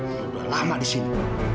lu udah lama di sini